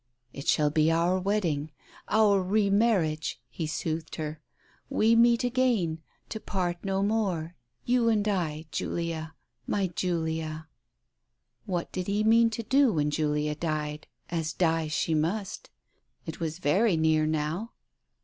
" It shall be our wedding ... our re marriage !" He soothed her. "We meet again — to part no more ... you and I, Julia, my Julia. ..." What did he mean to do when Julia died, as die she must? It was very near now.